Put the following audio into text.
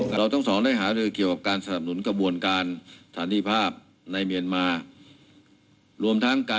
เขาคิดขอบคุณพวกไทยและช้อนมีวัง